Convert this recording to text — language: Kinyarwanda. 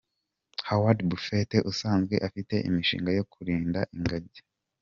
Howard Buffet, usanzwe afite imishinga yo kurinda ingagi.